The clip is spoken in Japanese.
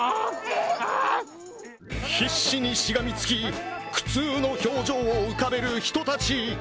必死にしがみ付き苦痛の表情を浮かべる人たち。